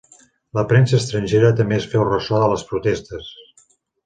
La premsa estrangera també es féu ressò de les protestes.